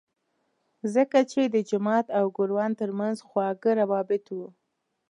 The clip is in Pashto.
ځکه چې د جومات او ګوروان ترمنځ خواږه روابط وو.